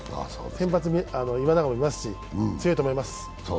先発には今永もいますし強いと思います。